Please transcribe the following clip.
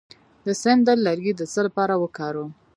د سندل لرګی د څه لپاره وکاروم؟